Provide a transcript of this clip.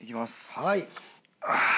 はい。